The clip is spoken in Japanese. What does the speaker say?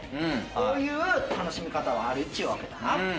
こういう楽しみ方があるっちゅうわけだな。